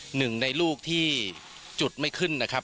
หนึ่งในลูกที่จุดไม่ขึ้นนะครับ